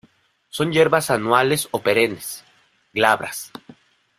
Son hierbas anuales o perennes, glabras.